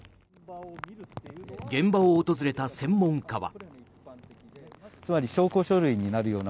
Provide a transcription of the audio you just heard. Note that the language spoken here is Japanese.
現場を訪れた専門家は。